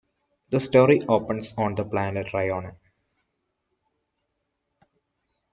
The story opens on the planet Rhyonon.